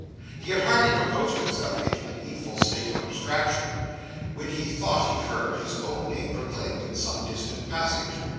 He had hardly composed himself into the needful state of abstraction, when he thought he heard his own name proclaimed in some distant passage.